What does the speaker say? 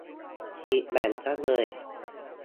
ฉีกแบ่งซะเลย